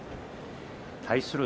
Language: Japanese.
対する